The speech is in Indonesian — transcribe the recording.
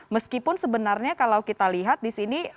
meskipun sebenarnya kalau kita lihat di sini